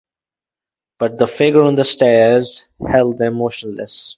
But the figure on the stairs held them motionless.